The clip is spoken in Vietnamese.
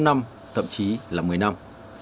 năm năm thậm chí là một mươi năm